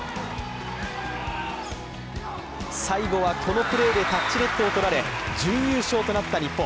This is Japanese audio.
最後はこのプレーでタッチネットを取られ、準優勝となった日本。